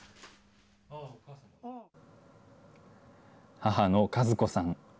母の和子さん。